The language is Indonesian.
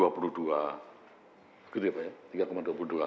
begitu ya pak ya